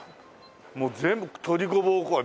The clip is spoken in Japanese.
もう全部「鶏ごぼうおこわ」。